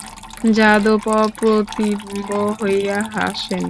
যাদব অপ্রতিম্ভ হইয়া হাসেন।